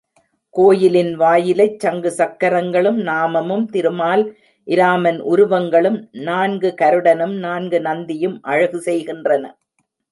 கோயிலின் வாயிலைச் சங்கு சக்கரங்களும், நாமமும், திருமால், இராமன் உருவங்களும், நான்கு கருடனும், நான்கு நந்தியும் அழகு செய்கின்றன.